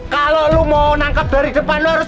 kalo lu mau nangkep dari depan lu harus